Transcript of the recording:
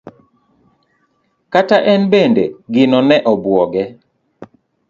kata en bende gino ne obuoge.